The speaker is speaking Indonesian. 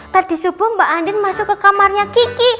tadi subuh mbak andin masuk ke kamarnya kiki